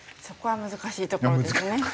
そこは難しいところですね。